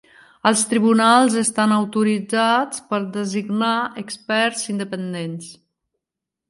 Els tribunals estan autoritzats per designar experts independents.